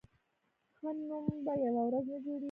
ښه نوم په یوه ورځ نه جوړېږي.